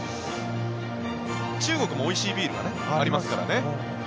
中国もおいしいビールがありますからね。